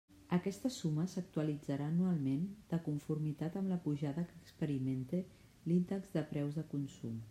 Aquesta suma s'actualitzarà anualment de conformitat amb la pujada que experimente l'índex de preus de consum.